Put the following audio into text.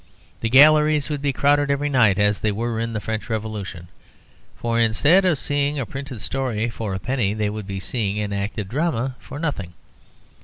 The galleries would be crowded every night as they were in the French Revolution; for instead of seeing a printed story for a penny they would be seeing an acted drama for nothing.